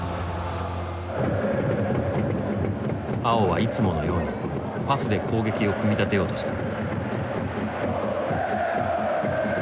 碧はいつものようにパスで攻撃を組み立てようとした。